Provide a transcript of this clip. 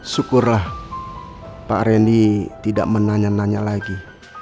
syukurlah pak reni tidak menanya nanya lagi